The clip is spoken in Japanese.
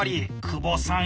久保さん